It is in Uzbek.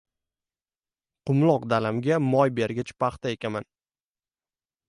Qumloq dalamga moy bergich paxta ekaman.